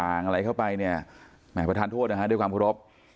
อ่างอะไรเข้าไปเนี่ยหมายประทานโทษนะคะด้วยความครบ